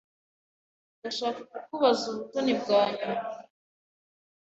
Ndashaka kukubaza ubutoni bwa nyuma.